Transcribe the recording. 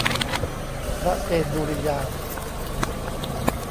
พระเจนดุริยางค์